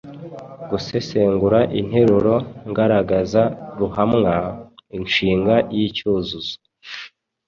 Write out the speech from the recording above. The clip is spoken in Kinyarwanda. Gusesengura interuro ngaragaza ruhamwa, inshinga n’icyuzuzo.